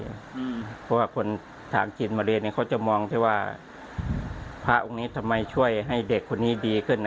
เพราะว่าคนถามจีนมาเรียนเขาจะมองที่ว่าพระองค์นี้ทำไมช่วยให้เด็กคนนี้ดีขึ้น